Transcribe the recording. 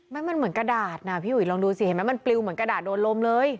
ไม่มันเหมือนกระดาษนะพี่อุ๋ยลองดูสิเห็นไหมมันปลิวเหมือนกระดาษโดนลมเลย